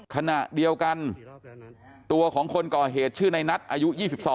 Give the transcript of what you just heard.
ขณะเดียวกันตัวของคนก่อเหตุชื่อในนัทอายุ๒๒